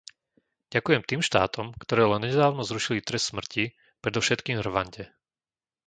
Ďakujem tým štátom, ktoré len nedávno zrušili trest smrti, predovšetkým Rwande.